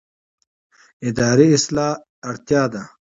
اداري اصلاح اړتیا ده